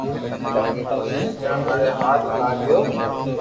ٻئير جڻي ماري ھاٿ لاگيو